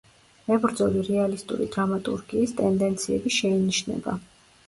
მებრძოლი რეალისტური დრამატურგიის ტენდენციები შეინიშნება.